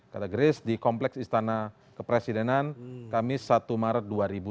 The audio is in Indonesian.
kata grace di kompleks istana kepresidenan kamis satu maret dua ribu dua puluh